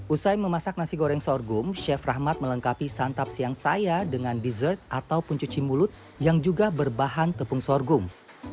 usai memasak nasi goreng sorghum chef rahmat melengkapi santap siang saya dengan dessert ataupun cuci mulut yang juga berbahan tepung sorghum